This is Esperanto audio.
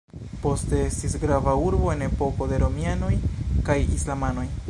Poste estis grava urbo en epoko de romianoj kaj islamanoj.